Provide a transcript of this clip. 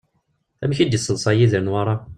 Amek i d-yesseḍṣay Yidir Newwara?